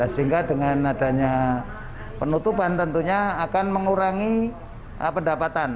sehingga dengan adanya penutupan tentunya akan mengurangi pendapatan